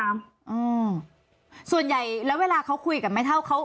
อืมส่วนใหญ่แล้วเวลาเขาคุยกับแม่เท่าเขา